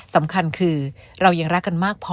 สำคัญคือเรายังรักกันมากพอ